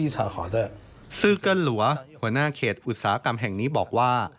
ซื้อเกิ้ลหลัวหัวหน้าเขตอุตสาหกรรมแห่งนี้บอกว่า